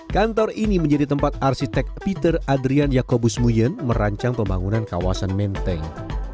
kantor ini menjadi tempat arsitek peter adrian yakobus muyen merancang pembangunan kawasan menteng